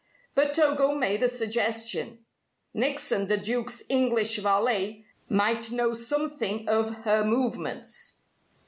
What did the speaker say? But Togo made a suggestion. Nickson, the Duke's English valet, might know something of her movements.